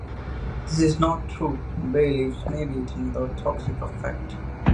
This is not true - bay leaves may be eaten without toxic effect.